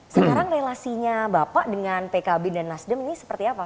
sekarang relasinya bapak dengan pkb dan nasdem ini seperti apa